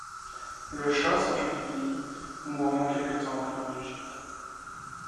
Le Chah s'enfuit du pays, mourant quelque temps après en Égypte.